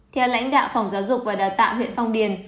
theo lãnh đạo phòng giáo dục và đào tạo huyện phong điền